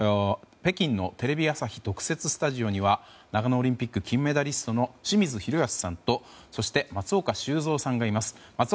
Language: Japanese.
北京のテレビ朝日特設スタジオには長野オリンピック金メダリストの清水宏保さんと松岡修造さんがいます。